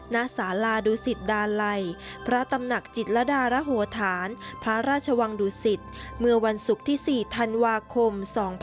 ณสาราดุสิตดาลัยพระตำหนักจิตรดารโหธานพระราชวังดุสิตเมื่อวันศุกร์ที่๔ธันวาคม๒๕๖๒